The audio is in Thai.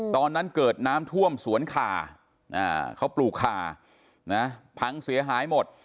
ตอนนั้นเกิดน้ำท่วมสวนคาเขาปลูกคาพังเสียหายหมด